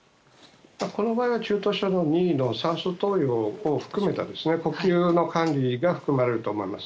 この場合は中等症２の酸素投与を含めた呼吸の管理が含まれると思います。